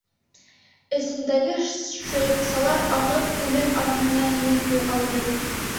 Эсендәге шыйыҡсалар ағып, үлән араһына инеп юғалды.